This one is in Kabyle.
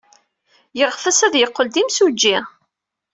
Yeɣtes ad yeqqel d imsujji.